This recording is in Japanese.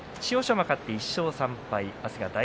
馬、勝って１勝３敗です。